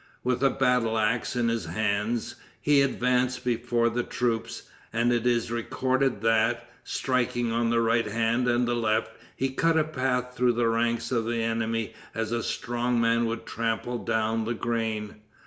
With a battle ax in his hands, he advanced before the troops, and it is recorded that, striking on the right hand and the left, he cut a path through the ranks of the enemy as a strong man would trample down the grain.